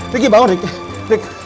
riki bangun riki